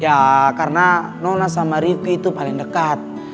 ya karena nola sama rifki itu paling dekat